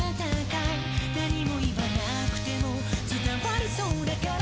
「何も言わなくても伝わりそうだから」